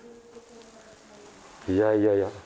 いやいやいや。